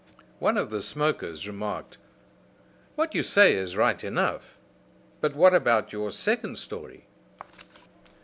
One of the smokers remarked: "What you say is right enough; but what about your second story?"